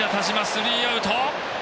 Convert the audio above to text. スリーアウト。